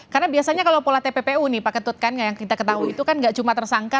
karena biasanya kalau pola tppu nih pak ketut kan yang kita ketahui itu kan tidak cuma tersangka